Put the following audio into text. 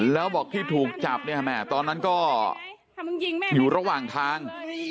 แล้วบอกเวทีที่ถูกจับตอนนั้นก็อยู่ระหว่างทาง